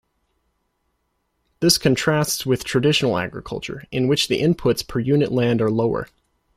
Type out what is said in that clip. This contrasts with traditional agriculture, in which the inputs per unit land are lower.